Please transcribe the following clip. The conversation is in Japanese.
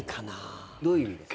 どういう意味ですか？